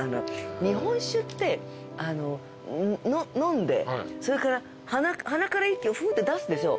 日本酒って飲んでそれから鼻から息をフーッて出すでしょ。